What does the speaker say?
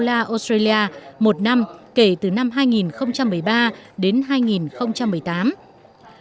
australia là một trong những đối tác song phương cung cấp oda không hoàn lại lớn nhất cho việt nam đạt trung bình chín mươi hai bảy triệu usd